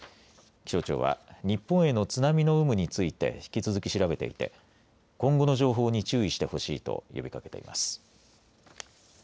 気象庁は日本への津波の有無について引き続き調べていて今後の情報に注意してほしいと呼びかけています。